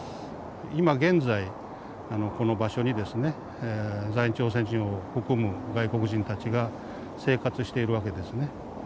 今現在この場所にですね在日朝鮮人を含む外国人たちが生活しているわけですね。